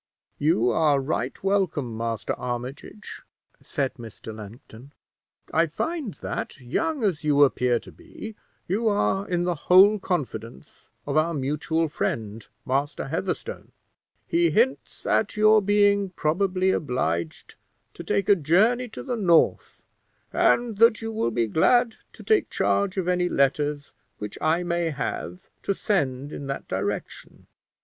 "You are right welcome, Master Armitage," said Mr. Langton; "I find that, young as you appear to be, you are in the whole confidence of our mutual friend, Master Heatherstone. He hints at your being probably obliged to take a journey to the north, and that you will be glad to take charge of any letters which I may have to send in that direction.